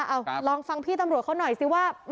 เอาลองฟังพี่ตำรวจเขาหน่อยสิว่า